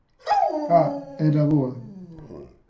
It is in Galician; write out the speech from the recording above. ¡Ah, era boa!